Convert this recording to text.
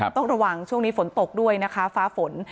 ต้องระวังช่วงนี้ฝนตกด้วยนะคะฟ้าฝน